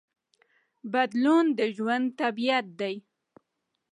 بدلون د ژوند طبیعت دی.